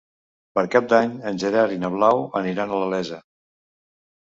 Per Cap d'Any en Gerard i na Blau aniran a la Iessa.